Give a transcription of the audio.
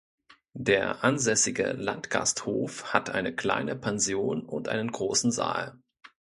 Der ansässige Landgasthof hat eine kleine Pension und einen großen Saal.